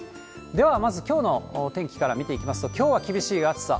ではまず、きょうの天気から見ていきますと、きょうは厳しい暑さ。